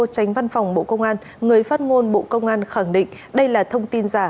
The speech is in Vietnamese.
tránh văn phòng bộ công an người phát ngôn bộ công an khẳng định đây là thông tin giả